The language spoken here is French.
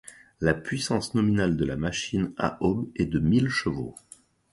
La puissance nominale de la machine à aubes est de mille chevaux.